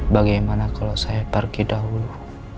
bagaimana kalau saya pergi dahulu